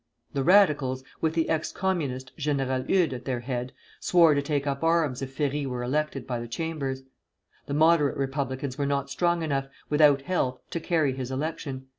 The Radicals, with the ex Communist, General Eudes, at their head, swore to take up arms if Ferry were elected by the Chambers. The Moderate Republicans were not strong enough, without help, to carry his election.